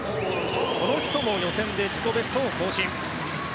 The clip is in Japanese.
この人も予選で自己ベストを更新。